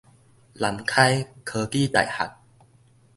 南開科技大學